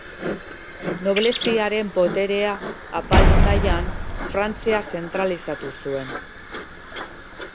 Nobleziaren boterea apaldu nahian, Frantzia zentralizatu zuen.